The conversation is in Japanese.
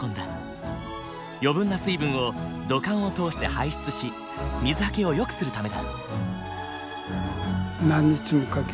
余分な水分を土管を通して排出し水はけをよくするためだ。